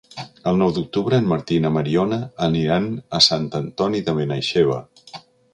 El nou d'octubre en Martí i na Mariona aniran a Sant Antoni de Benaixeve.